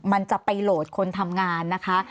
มันจะไปโหลดคนทำงานนะคะ